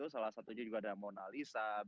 salah satunya juga ada mona lisa